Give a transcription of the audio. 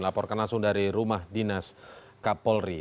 laporkan langsung dari rumah dinas kapolri